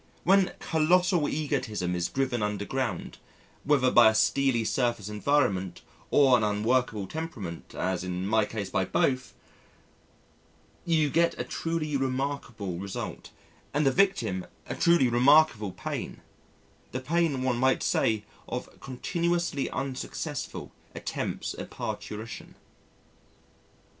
When colossal egotism is driven underground, whether by a steely surface environment or an unworkable temperament or as in my case by both, you get a truly remarkable result, and the victim a truly remarkable pain the pain one might say of continuously unsuccessful attempts at parturition.